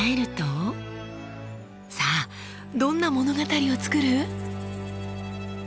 さあどんな物語を作る？